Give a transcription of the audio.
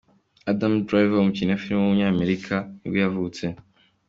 Adam Driver, umukinnyi wa filime w’umunyamerika nibwo yavutse.